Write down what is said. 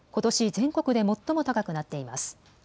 全国で最も高くなっています。